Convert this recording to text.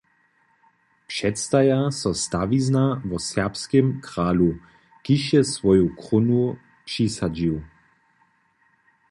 Předstaja so stawizna wo serbskim kralu, kiž je swoju krónu přisadźił.